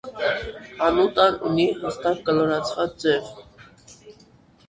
Անուտան ունի հստակ կլորացված ձև։